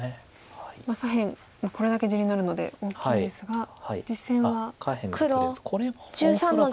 これだけ地になるので大きいんですが実戦は。